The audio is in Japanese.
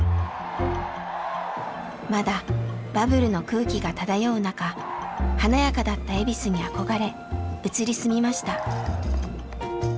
まだバブルの空気が漂う中華やかだった恵比寿に憧れ移り住みました。